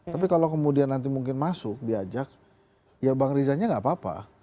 tapi kalau kemudian nanti mungkin masuk diajak ya bang rizanya nggak apa apa